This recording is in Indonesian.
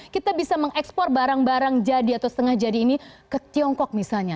kita bisa mengekspor barang barang jadi atau setengah jadi ini ke tiongkok misalnya